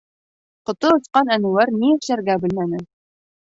Ҡото осҡан Әнүәр ни эшләргә белмәне.